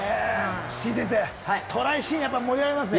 てぃ先生、トライシーン、盛り上がりますね。